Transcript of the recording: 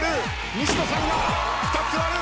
西野さんは２つ割る！